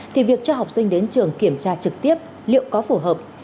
thì việc cho học sinh đến trường kiểm tra trực tiếp liệu có phù hợp